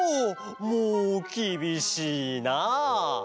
もうきびしいなあ！